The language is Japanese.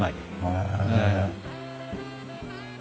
へえ。